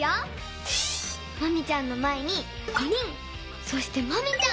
マミちゃんのまえに５人そしてマミちゃん。